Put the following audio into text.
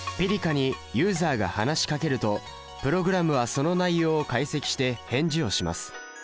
「−ｐｉｒｋａ−」にユーザーが話しかけるとプログラムはその内容を解析して返事をします。